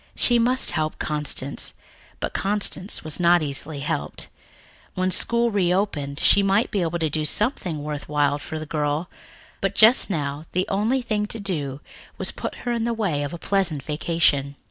She must help Constance, but Constance was not easily helped. When school reopened, she might be able to do something worthwhile for the girl, but just now the only thing to do was to put her in the way of a pleasant vacation.